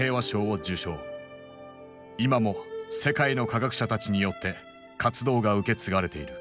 今も世界の科学者たちによって活動が受け継がれている。